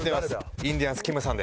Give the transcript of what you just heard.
インディアンスきむさんで。